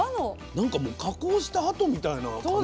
なんかもう加工したあとみたいな感じだよね。